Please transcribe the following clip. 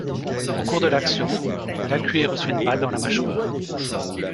Au cours de l'action, Lacuée reçoit une balle dans la mâchoire.